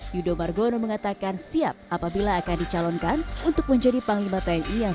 yudho margono mengatakan siap apabila akan dicalonkan untuk menjadi panglima tni yang